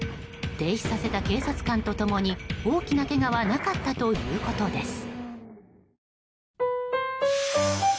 停止させた警察官と共に大きなけがはなかったということです。